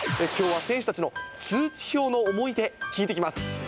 きょうは選手たちの通知表の思い出、聞いてきます。